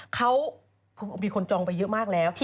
เขามีคนจองไปเยอะมากแล้ว